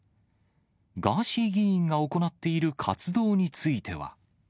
ガーシー議員が行っている活動については。